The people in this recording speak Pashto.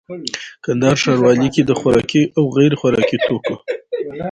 کندهار ښاروالي کي د خوراکي او غیري خوراکي توکو